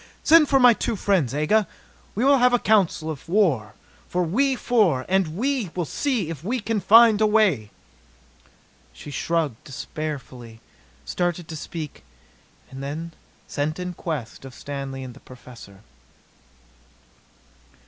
Send for my two friends, Aga. We will have a council of war, we four, and see if we can find a way!" She shrugged despairfully, started to speak, then sent in quest of Stanley and the Professor.